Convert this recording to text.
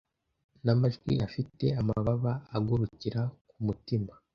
n'amajwi afite amababa agurukira ku mutima